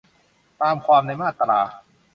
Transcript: ตามความในมาตรา